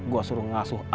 gua suruh ngasuh air